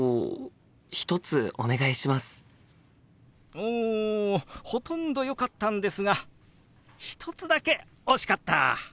おほとんどよかったんですが１つだけ惜しかった！